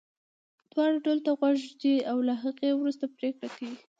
دواړو ډلو ته غوږ ږدي او له هغې وروسته پرېکړه کوي.